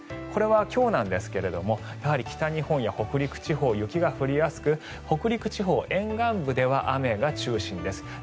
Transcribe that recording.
これは今日なんですがやはり、北日本や北陸地方は雪が降りやすく北陸地方沿岸部では雨が中心です。